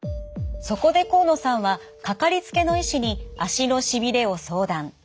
そこで河野さんは掛かりつけの医師に足のしびれを相談。